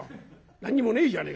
何にもねえじゃねえか。